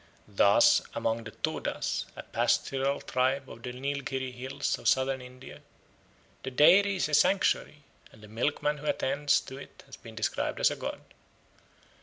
Thus amongst the Todas, a pastoral people of the Neilgherry Hills of Southern India, the dairy is a sanctuary, and the milkman who attends to it has been described as a god.